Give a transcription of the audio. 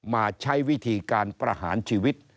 มาใช้วิธีการประหารชีวิต